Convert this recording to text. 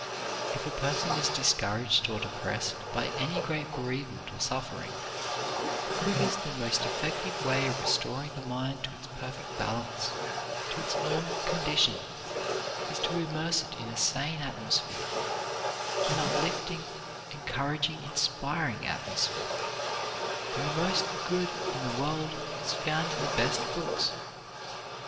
If a person is discouraged or depressed by any great bereavement or suffering, the quickest and the most effective way of restoring the mind to its perfect balance, to its normal condition, is to immerse it in a sane atmosphere, an uplifting, encouraging, inspiring atmosphere, and the most good in the world is found in the best books.